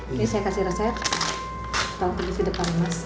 ini saya kasih resep